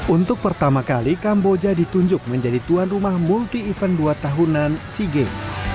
untuk pertama kali kamboja ditunjuk menjadi tuan rumah multi event dua tahunan sea games